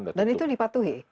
dan itu dipatuhi